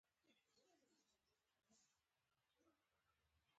څۀ عمر پۀ سکهر او خېر پور کښې تير کړے وو